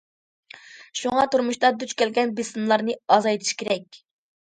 شۇڭا تۇرمۇشتا دۇچ كەلگەن بېسىملارنى ئازايتىش كېرەك.